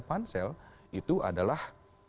pansel itu adalah